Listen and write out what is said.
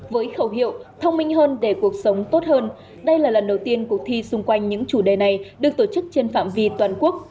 với khẩu hiệu thông minh hơn để cuộc sống tốt hơn đây là lần đầu tiên cuộc thi xung quanh những chủ đề này được tổ chức trên phạm vi toàn quốc